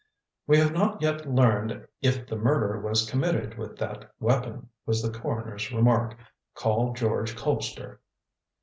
"We have not yet learned if the murder was committed with that weapon," was the coroner's remark. "Call George Colpster."